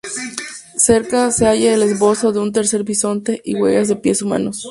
Cerca se halla el esbozo de un tercer bisonte y huellas de pies humanos.